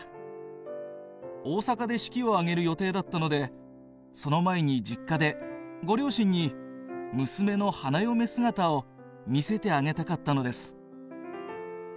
大阪で式をあげる予定だったので、その前に実家でご両親に娘の花嫁姿を見せてあげたかったのです」。